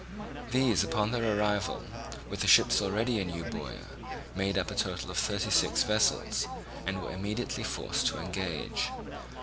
These upon their arrival, with the ships already in Euboea, made up a total of thirty six vessels, and were immediately forced to engage.